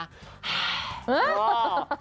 เฮ้ยโอ๊ย